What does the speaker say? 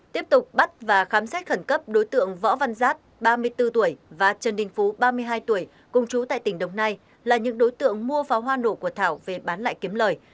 tiếp tục bắt và khám xét khẩn cấp đối tượng võ văn giát ba mươi bốn tuổi và trần đình phú ba mươi hai tuổi cùng chú tại tỉnh đồng nai là những đối tượng mua pháo hoa nổ của thảo về bán lại kiếm lời